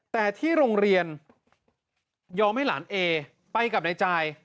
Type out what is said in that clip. แต่ที่โรงเรียนยอมให้หลานเอไปกับนายจ่าย